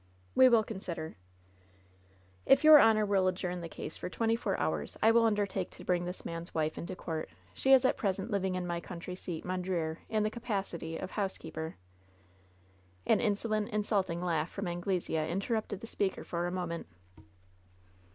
^We will consider." "If your honor will adjourn the case for twenty four hours I will undertake to bring this man's wife into court. She is at present living at my country seat, Mon dreer, in the capacity of housekeeper." An insolent, insulting laugh from Anglesea inter rupted the speaker for a moment.